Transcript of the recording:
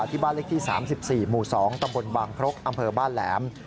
ที่บ้านเลขที่๓๔หมู่๒ตำบลบางครกอำเภอบ้านแหลม